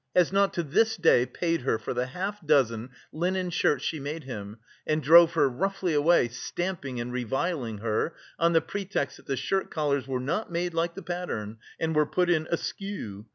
has not to this day paid her for the half dozen linen shirts she made him and drove her roughly away, stamping and reviling her, on the pretext that the shirt collars were not made like the pattern and were put in askew.